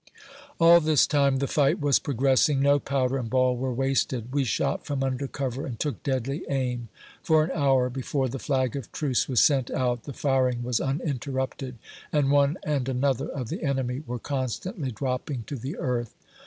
All this time, the fight was progressing; no powder and ball were wasted. We shot from under cover, and took deadly aim. For an hour before the flag of truce was sent out, the firing was uninterrupted, and one and another of the enemy were constantly dropping to the earth.